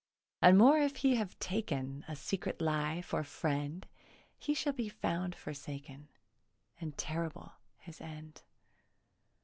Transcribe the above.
And more if he have taken A secret lie for friend, He shall be found forsaken, And terrible his end.